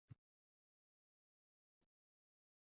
Talx ekan sevgining sharobi, totdim